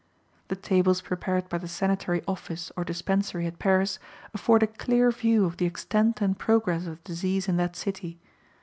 The tables prepared by the sanitary office, or dispensary, at Paris, afford a clear view of the extent and progress of disease in that city.